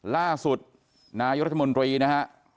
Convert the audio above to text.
ล่าสุดนายรัฐมนตรีนะฮะ